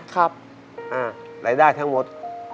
รายได้ทั้งหมด